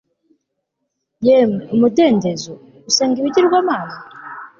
yemwe umudendezo! gusenga ibigirwamana